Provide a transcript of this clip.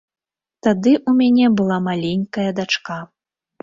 Тады ў мяне была маленькая дачка.